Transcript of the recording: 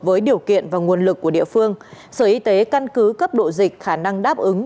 với điều kiện và nguồn lực của địa phương sở y tế căn cứ cấp độ dịch khả năng đáp ứng